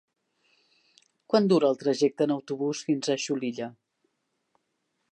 Quant dura el trajecte en autobús fins a Xulilla?